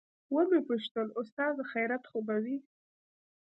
ومې پوښتل استاده خيريت خو به وي.